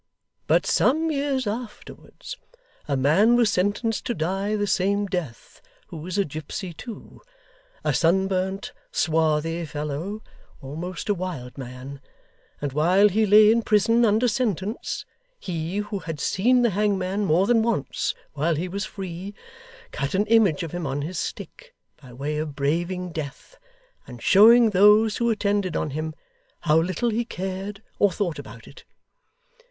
But, some years afterwards, a man was sentenced to die the same death, who was a gipsy too; a sunburnt, swarthy fellow, almost a wild man; and while he lay in prison, under sentence, he, who had seen the hangman more than once while he was free, cut an image of him on his stick, by way of braving death, and showing those who attended on him, how little he cared or thought about it.